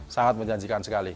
sangat menjanjikan sekali